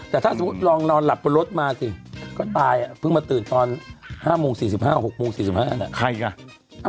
แต่ถ้าสมมุติลองนอนหลับบนรถมาสิก็ตายเพิ่งมาตื่นตอน๕โมง๔๕๖โมง๔๕น่ะใครอ่ะ